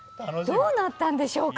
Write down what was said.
どうなったんでしょうか？